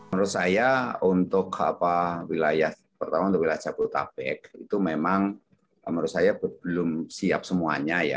menurut saya untuk wilayah pertama untuk wilayah jabodetabek itu memang menurut saya belum siap semuanya ya